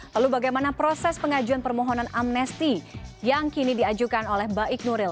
lalu bagaimana proses pengajuan permohonan amnesti yang kini diajukan oleh baik nuril